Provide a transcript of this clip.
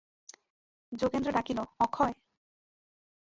যোগেন্দ্র ডাকিল, অক্ষয়!